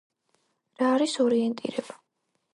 რა არის ორიენტირება